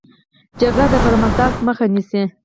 جګړه د پرمختګ مخه نیسي